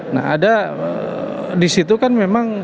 nah ada disitu kan memang